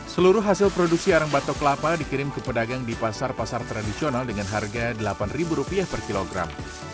seluruh hasil produksi arang batok kelapa dikirim ke pedagang di pasar pasar tradisional dengan harga rp delapan per kilogram